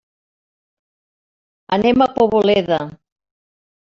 Anem a Poboleda.